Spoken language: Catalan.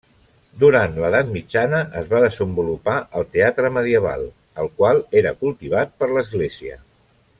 Durant l’Edat Mitjana es va desenvolupar el teatre medieval, el qual era cultivat per l’església.